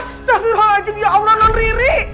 astaghfirullahaladzim ya allah non riri